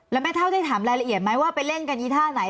แล้วแม่เท่าได้ถามรายละเอียดไหมว่าไปเล่นกันอีท่าไหน